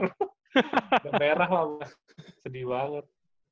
udah merah banget sedih banget